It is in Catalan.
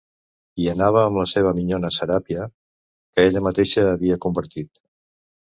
Hi anava amb la seva minyona Seràpia, que ella mateixa havia convertit.